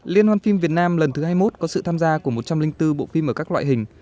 liên hoan phim việt nam lần thứ hai mươi một có sự tham gia của một trăm linh bốn bộ phim ở các loại hình